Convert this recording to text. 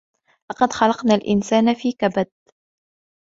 لقد خلقنا الإنسان في كبد